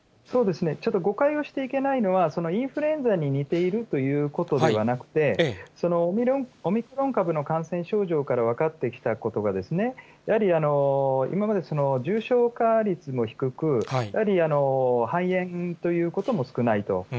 そうですね、ちょっと誤解をしてはいけないのが、インフルエンザに似ているということではなくて、オミクロン株の感染症状から分かってきたことが、やはり今まで重症化率も低く、やはり肺炎ということも少ないと。